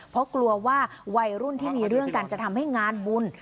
เพราะกลัวว่าวัยรุ่นที่มีเรื่องกันจะทำให้งานบุญ